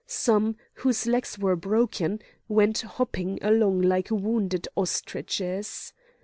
Some, whose legs were broken, went hopping along like wounded ostriches.